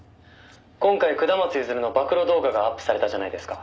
「今回下松譲の暴露動画がアップされたじゃないですか」